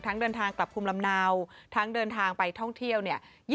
เดินทางกลับภูมิลำเนาทั้งเดินทางไปท่องเที่ยวเนี่ย